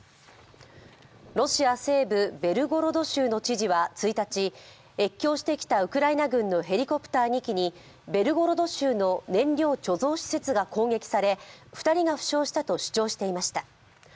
ロシア西部ベルゴロド州の知事は１日越境してきたウクライナ軍のヘリコプター２機にベルゴロド州の燃料貯蔵施設が攻撃され２人が負傷したと主張していました